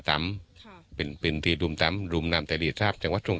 ตำครับเป็นเป็นที่รุมตำรุมนามศัตริย์ทราบจังหวัดทรง